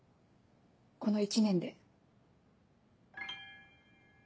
この１年で。